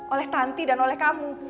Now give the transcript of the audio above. oleh tanti dan oleh kamu